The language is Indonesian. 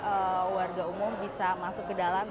sekarang tiba saatnya untuk kami warga umum bisa masuk ke dalam